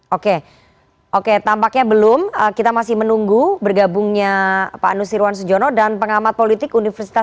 oke oke tampaknya belum kita masih menunggu bergabungnya pak nusirwan sujono dan pengamat politik universitas